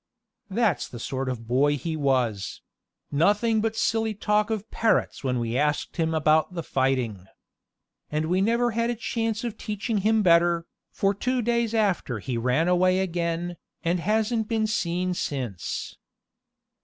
That's the sort of boy he was nothing but silly talk of parrots when we asked him about the fighting. And we never had a chance of teaching him better, for two days after he ran away again, and hasn't been seen since.